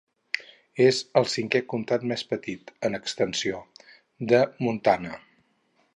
És el cinquè comtat més petit, en extensió, de Montana.